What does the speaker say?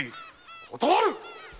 断る‼